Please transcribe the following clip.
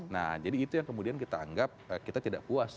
nah jadi itu yang kemudian kita anggap kita tidak puas